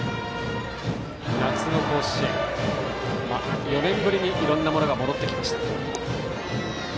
夏の甲子園４年ぶりにいろんなものが戻ってきました。